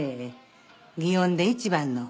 祇園で一番の